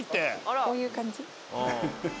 こういう感じ？